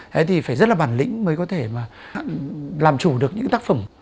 thế thì phải rất là bản lĩnh mới có thể mà làm chủ được những tác phẩm